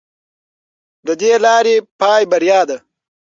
د دې لارې پای بریا ده.